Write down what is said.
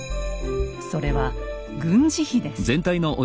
それは「軍事費」です。